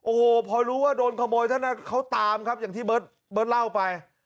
โอ้โหพอรู้ว่าโดนขโมยเท่านั้นเขาตามครับอย่างที่เบิร์ตเล่าไป